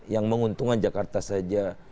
yang menguntungkan jakarta saja